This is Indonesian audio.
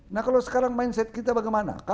nah kalau sekarang mindset kita bagaimana kasih aja terus